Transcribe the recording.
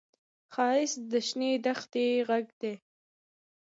ښایست د شنې دښتې غږ دی